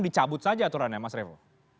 dicabut saja aturannya mas revo